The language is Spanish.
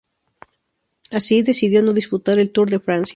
Así, decidió no disputar el Tour de Francia.